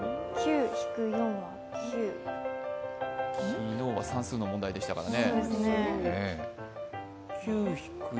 昨日は算数の問題でしたからね。